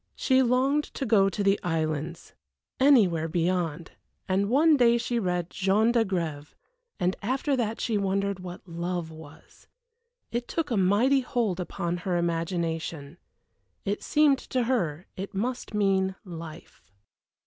She longed to go to the islands anywhere beyond and one day she read Jean d'Agrève; and after that she wondered what Love was. It took a mighty hold upon her imagination. It seemed to her it must mean Life.